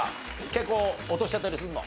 結構落としちゃったりするの？